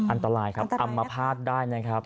อันตรายครับอำมภาษณ์ได้นะครับ